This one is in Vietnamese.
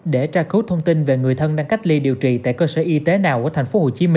để tra cứu thông tin về người thân đang cách ly điều trị tại cơ sở y tế nào ở tp hcm